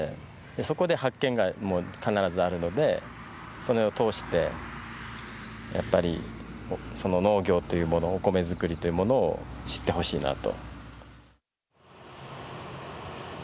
そこで発見が必ずあるのでそれを通してやっぱりその農業というものお米作りというものを知ってほしいなと。